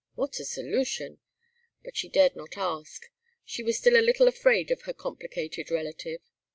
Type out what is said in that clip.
What a solution! But she dared not ask. She was still a little afraid of her complicated relative.